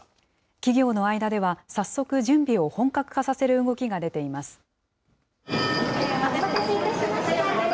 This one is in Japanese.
企業の間では早速、準備を本格化させる動きが出ています。